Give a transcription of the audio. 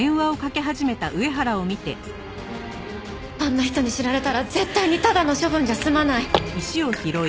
あんな人に知られたら絶対にただの処分じゃ済まない。